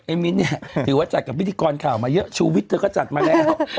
มิ้นเนี่ยถือว่าจัดกับพิธีกรข่าวมาเยอะชูวิทย์เธอก็จัดมาแล้ว